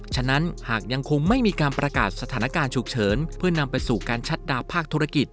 ฉะนั้นหากยังคงไม่มีการประกาศสถานการณ์ฉุกเฉินเพื่อนำไปสู่การชัดดาวภาคธุรกิจ